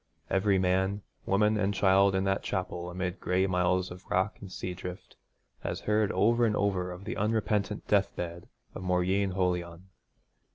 Every man, woman, and child in that chapel amid gray miles of rock and sea drift, has heard over and over of the unrepentant deathbed of Mauryeen Holion.